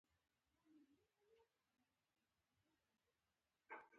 د جنګي ټیکدارانو جیبونو ته تللې ده.